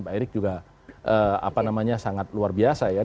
pak erick juga sangat luar biasa ya